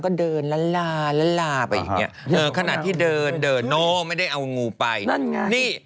ก็เขาดูนั้นเวลานั้นนะมาไปอย่างเนี่ยก็นันไม่ได้เอางูไปนั่งแน่นี้